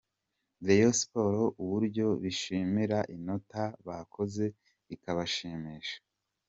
Rayon Sports uburyo bishimira inota bakoze rikabashimisha.